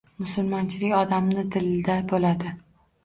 Musulmonchilik odamni dilida bo‘ladi.